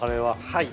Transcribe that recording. はい